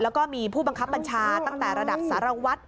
แล้วก็มีผู้บังคับบัญชาตั้งแต่ระดับสารวัตร